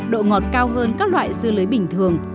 độ ngọt cao hơn các loại dưa lưới bình thường